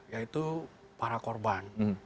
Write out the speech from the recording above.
yaitu para korban